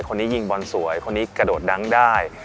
คนนี้ยิงบอลสวยคนนี้กระโดดดังได้